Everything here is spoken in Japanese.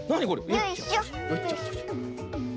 よいしょ。